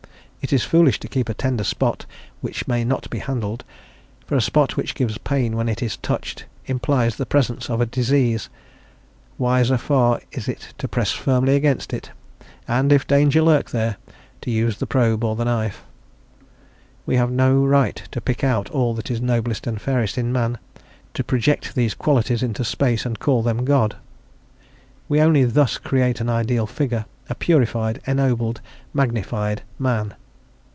It is foolish to keep a tender spot which may not be handled; for a spot which gives pain when it is touched implies the presence of disease: wiser far is it to press firmly against it, and, if danger lurk there, to use the probe or the knife. We have no right to pick out all that is noblest and fairest in man, to project these qualities into space, and to call them God. We only thus create an ideal figure, a purified, ennobled, "magnified" Man.